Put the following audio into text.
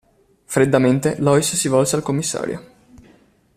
Freddamente, Lois si volse al commissario.